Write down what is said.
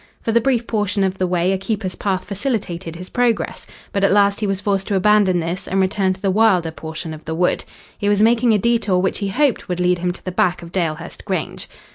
For the brief portion of the way a keeper's path facilitated his progress, but at last he was forced to abandon this and return to the wilder portion of the wood. He was making a detour which he hoped would lead him to the back of Dalehurst Grange.